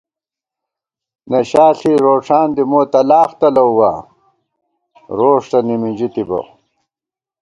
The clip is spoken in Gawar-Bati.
نشا ݪی روݭان دی مو تلاخ تلَؤوا روݭ تہ نِمِنژِی تِبہ